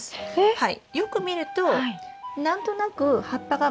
はい。